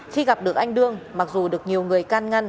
khi gặp được anh đương mặc dù được nhiều người can ngăn